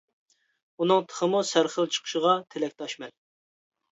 ئۇنىڭ تېخىمۇ سەر خىل چىقىشىغا تىلەكداشمەن.